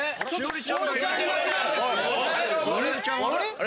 ・あれ？